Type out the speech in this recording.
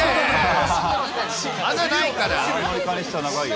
穴ないから。